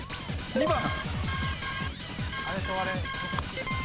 ２番。